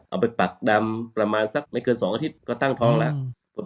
เอาไปปักดำประมาณสักไม่เกิน๒สัปดาห์ก็ตั้งพร้อมแล้ว